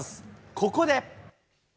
ここで。